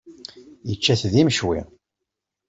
Yečča-t d imecwi.